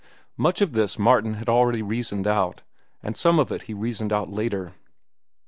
Much of this Martin had already reasoned out, and some of it he reasoned out later.